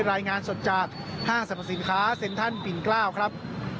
รายงานสดจากห้างสรรพสินค้าเซ็นทรัลปิ่นเกล้าครับ